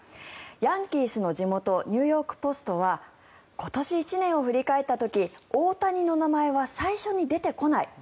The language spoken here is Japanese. ヤンキースの地元ニューヨーク・ポストは今年１年を振り返った時大谷の名前は最初に出てこない。